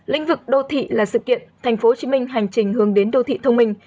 lĩnh vực đô thị là sự kiện tp hcm hành trình hướng đến đô thị thông minh